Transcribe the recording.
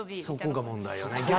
そこが問題よね